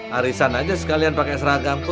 harisan aja sekalian pakai seragam pun